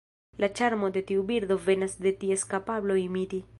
La ĉarmo de tiu birdo venas de ties kapablo imiti.